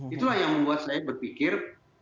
itulah yang membuat saya berpikir